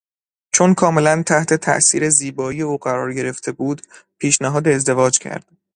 چون کاملا تحت تاثیر زیبایی او قرار گرفته بود پیشنهاد ازدواج کرد.